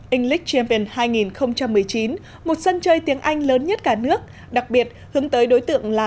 english champion hai nghìn một mươi chín một sân chơi tiếng anh lớn nhất cả nước đặc biệt hướng tới đối tượng là